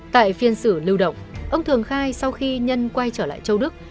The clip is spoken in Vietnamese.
tại phiên xử lưu động ông thường khai sau khi nhân quay trở lại châu đức